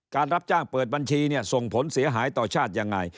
รับจ้างเปิดบัญชีเนี่ยส่งผลเสียหายต่อชาติยังไง